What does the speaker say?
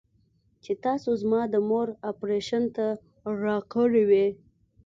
چې تاسو زما د مور اپرېشن ته راکړې وې.